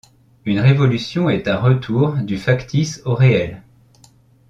Une révolution est un retour du factice au réel.